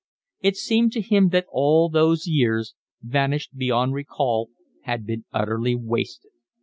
It seemed to him that all those years, vanished beyond recall, had been utterly wasted.